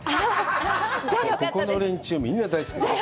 ここの連中、みんな大好きです。